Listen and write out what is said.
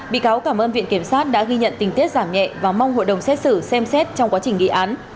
bị cáo cảm ơn viện kiểm sát đã ghi nhận tình tiết giảm nhẹ và mong hội đồng xét xử xem xét trong quá trình nghị án